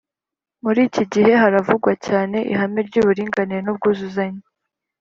Muri iki gihe, haravugwa cyane ihame ry’uburinganire n’ubwuzuzanye